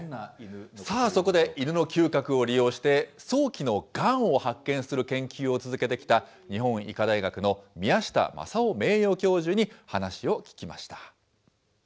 さあ、底で犬の嗅覚を利用して、早期のがんを発見する研究を続けてきた日本医科大学の宮下正夫名誉教授に話を聞きました。